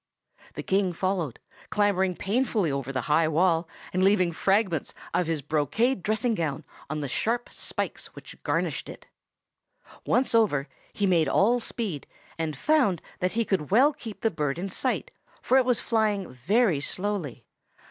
The King followed, clambering painfully over the high wall, and leaving fragments of his brocade dressing gown on the sharp spikes which garnished it. Once over, he made all speed, and found that he could well keep the bird in sight, for it was flying very slowly.